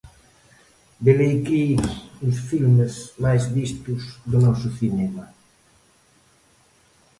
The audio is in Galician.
Velaquí os filmes máis vistos do noso cinema.